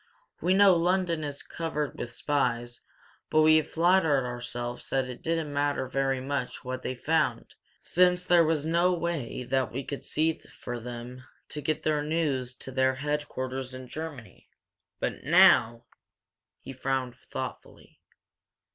"We know London is covered with spies but we have flattered ourselves that it didn't matter very much what they found, since there was no way that we could see for them to get their news to their headquarters in Germany. But now " He frowned thoughtfully.